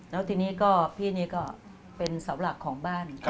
แล้วพี่นี่ก็เป็นเสาหลักของบ้าน